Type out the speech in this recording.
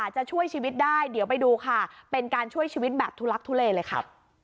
ตอนนี้ไม่สามารถคำชีพพจรได้นะคะ